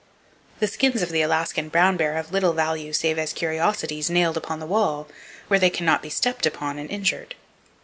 The skins of the Alaskan brown bears have little value save as curiosities, nailed upon the wall, where they can not be stepped upon and injured.